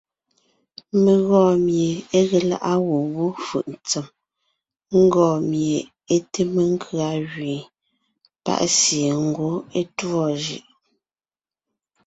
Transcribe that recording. Mé gɔɔn mie é ge lá’a gwɔ̂ wó fʉʼ ntsèm, ńgɔɔn mie é te mekʉ̀a gẅeen, pa’ sie ngwɔ́ é tûɔ jʉ’.